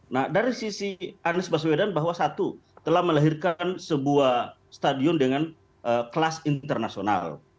nah dari sisi anies baswedan bahwa satu telah melahirkan sebuah stadion dengan kelas internasional